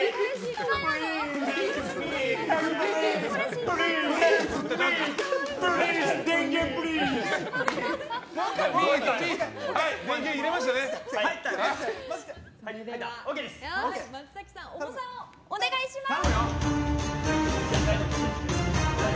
それでは松崎さん重さをお願いします！